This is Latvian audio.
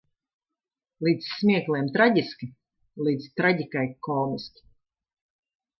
Līdz smiekliem traģiski. Līdz traģikai komiski.